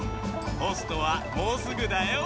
ポストはもうすぐだよ。